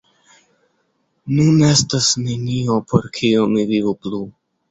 Nun estas nenio, por kio mi vivu plu“.